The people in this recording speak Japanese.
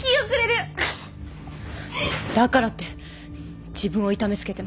だからって自分を痛めつけてまで。